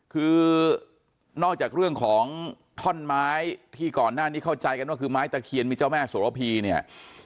คือนอกจากเรื่องของท่อนไม้ที่ก่อนหน้านี้เข้าใจกันว่าคือไม้ตะเคียนมีเจ้าแม่โสระพีเนี่ย